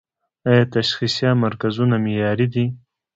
آیا تشخیصیه مرکزونه معیاري دي؟